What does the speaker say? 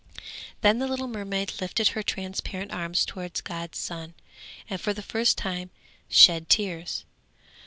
Then the little mermaid lifted her transparent arms towards God's sun, and for the first time shed tears.